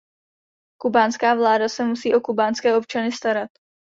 Kubánská vláda se musí o kubánské občany starat.